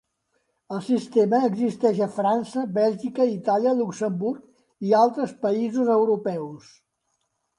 El sistema existeix a França, Bèlgica, Itàlia, Luxemburg i altres països europeus.